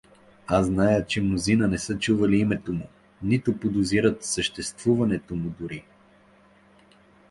Аз зная, че мнозина не са чували името му, нито подозират съществуването му дори.